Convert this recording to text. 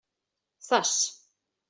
Zas!